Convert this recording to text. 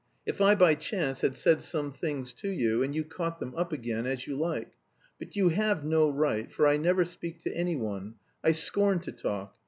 "If I by chance had said some things to you, and you caught them up again, as you like. But you have no right, for I never speak to anyone. I scorn to talk....